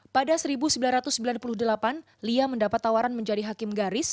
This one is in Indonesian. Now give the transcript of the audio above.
pada seribu sembilan ratus sembilan puluh delapan lia mendapat tawaran menjadi hakim garis